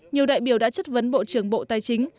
nhiều đại biểu đã chất vấn bộ trưởng bộ tài chính